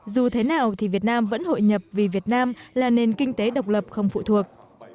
dù thế nào thì việt nam vẫn hội nhập vì việt nam là nền kinh tế độc lập không phụ thuộc